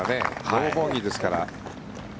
ノーボギーですから。